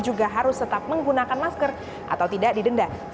juga harus tetap menggunakan masker atau tidak didenda